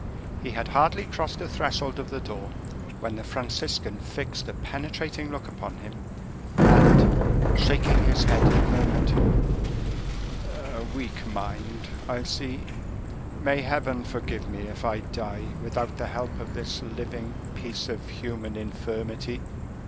He had hardly crossed the threshold of the door when the Franciscan fixed a penetrating look upon him, and, shaking his head, murmured "A weak mind, I see; may Heaven forgive me if I die without the help of this living piece of human infirmity."